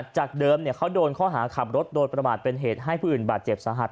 จากเดิมเขาโดนข้อหาขับรถโดยประมาทเป็นเหตุให้ผู้อื่นบาดเจ็บสาหัส